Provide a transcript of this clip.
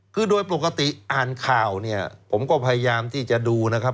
คือโดยปกติอ่านข่าวเนี่ยผมก็พยายามที่จะดูนะครับ